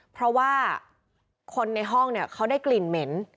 เพราะว่าคนในห้องเนี่ยเขาได้กลิ่นเหม็น